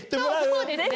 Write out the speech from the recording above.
そうですね。